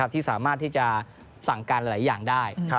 ที่สามารถที่จะสั่งการหลายอย่างได้